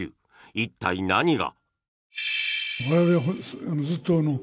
一体、何が。